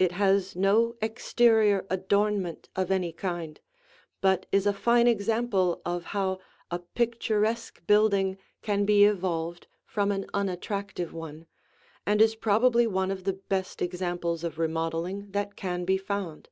It has no exterior adornment of any kind, but is a fine example of how a picturesque building can be evolved from an unattractive one, and is probably one of the best examples of remodeling that can be found.